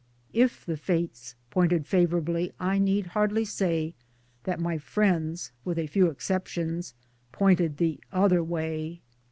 If the Fates pointed favorably I need hardly say that my friends (with a few exceptions) pointed the other way